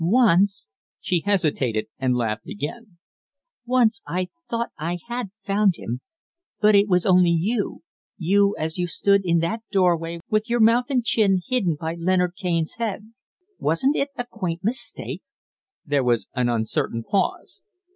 Once " she hesitated and laughed again "once I thought I had found him, but it was only you you, as you stood in that door way with your mouth and chin hidden by Leonard Kaine's head. Wasn't it a quaint mistake?" There was an uncertain pause.